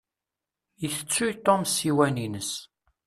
Itettuy Tom ssiwan-ines.